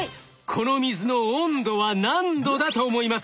この水の温度は何度だと思いますか？